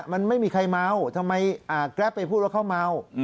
มันไม่มีใครเมาทำไมแกรปไปพูดว่าเขาเมา